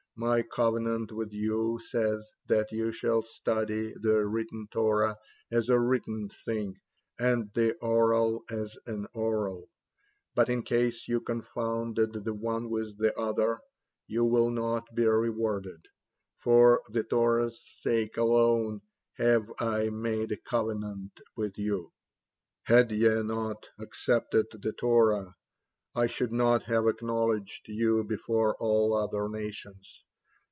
My covenant with you says that ye shall study the written Torah as a written thing, and the oral as an oral; but in case you confound the one with the other you will not be rewarded. For the Torah's sake alone have I made a covenant with you; had ye not accepted the Torah, I should not have acknowledged you before all other nations.